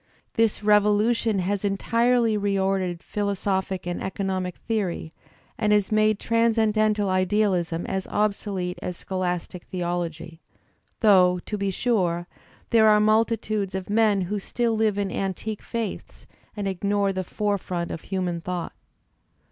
This / revolution has entirely reordered philosophic and economic I theory and has made transcendental idealism as obsolete as scholastic theology — though, to be sure, there are multitudes of men who still live in antique faiths and ignore the forefront Digitized by Google EMERSON 47 of human thought.